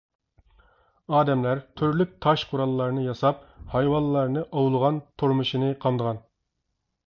ئادەملەر تۈرلۈك تاش قوراللارنى ياساپ، ھايۋانلارنى ئوۋلىغان، تۇرمۇشىنى قامدىغان.